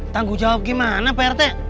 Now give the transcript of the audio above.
tanggung jawab gimana pak rt